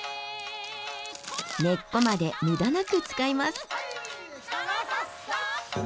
根っこまで無駄なく使います。